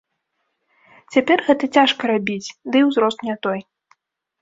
Цяпер гэта цяжка рабіць, ды і ўзрост не той.